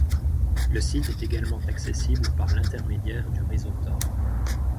Le site est également accessible par l'intermédiaire du réseau Tor.